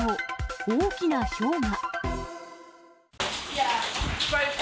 大きなひょうが。